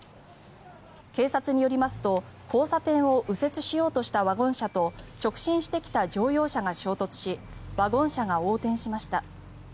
警察によりますと交差点を右折しようとしたワゴン車と直進してきた乗用車が衝突しワゴン車が横転しました。